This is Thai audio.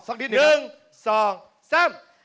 สักนิดหนึ่งครับ๑๒๓